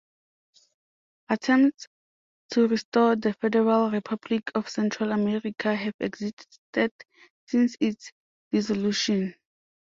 Attempts to restore the Federal Republic of Central America have existed since its dissolution.